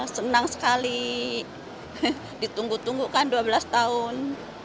senang sekali ditunggu tunggu kan dua belas tahun